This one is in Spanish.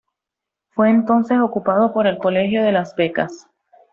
Fue entonces ocupado por el Colegio de las Becas.